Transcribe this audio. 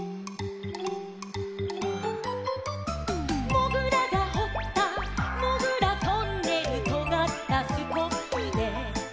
「もぐらがほったもぐらトンネル」「とがったスコップで」